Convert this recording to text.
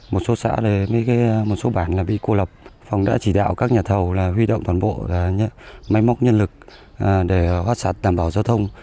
một số xã một số bản bị cô lập phòng đã chỉ đạo các nhà thầu huy động toàn bộ máy móc nhân lực để hoạt sạt đảm bảo giao thông